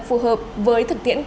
phù hợp với thực tế